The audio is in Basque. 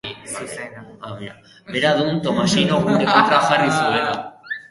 Bera dun Tommasino gure kontra jarri zuena.